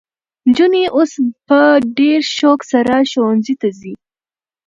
نجونې اوس په ډېر شوق سره ښوونځي ته ځي.